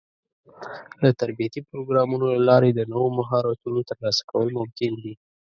د تربيتي پروګرامونو له لارې د نوو مهارتونو ترلاسه کول ممکن دي.